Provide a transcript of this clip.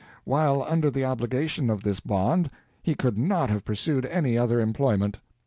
While under the obligation of this bond he could not have pursued any other employment.